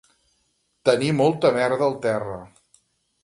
Tenir molta merda al terra